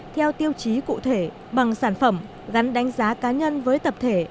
theo tiêu chí cụ thể bằng sản phẩm gắn đánh giá cá nhân với tập thể